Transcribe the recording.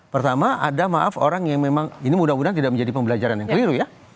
pertama ada maaf orang yang memang ini mudah mudahan tidak menjadi pembelajaran yang keliru ya